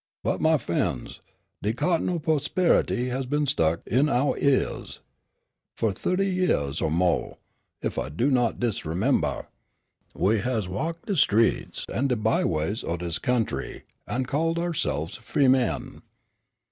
But, my f'en's, de cotton o' p'ospe'ity has been stuck in ouah eahs. Fu' thirty yeahs er mo', ef I do not disremember, we has walked de streets an' de by ways o' dis country an' called ouahse'ves f'eemen.